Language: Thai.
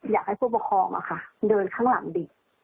อยากให้ผู้ประคองมาค่ะเดินข้างหลังดิ